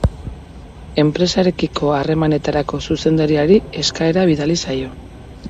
Enpresarekiko Harremanetarako Zuzendariari eskaera bidali zaio.